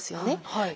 はい。